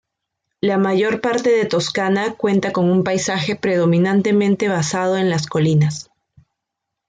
La mayor parte de Toscana cuenta con un paisaje predominantemente basado en las colinas.